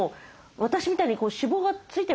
私みたいに脂肪がついてる方